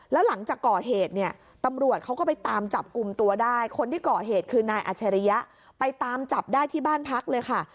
แล้วหลังจากก่อเหตุเนี่ยตำรวจเขาก็ไปตามจับกลุ่มตัวได้คนที่ก่อเหตุคือนายอัชริยะไปตามจับได้ที่บ้านพักเลยค่ะ